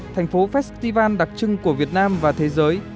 thành phố festival đặc trưng của việt nam và thế giới